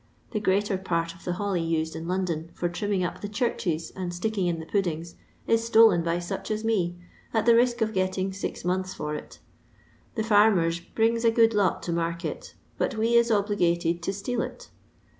The greater part of the holly used in Lon don for trimming up the churches and sticking in the puddings, is stolen by such as me, at the risk of getting six months for it. The farmers brings a good lot to market, but we is obligated to steal it.